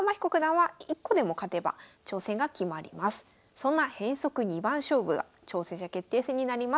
そんな変則二番勝負が挑戦者決定戦になります。